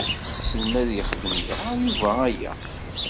Wissen ma ad yexdem dɣa Yuba aya.